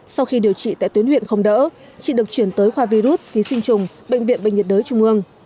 sau khi điều trị tại tuyến huyện không đỡ chị được chuyển tới khoa virus ký sinh trùng bệnh viện bệnh nhiệt đới trung ương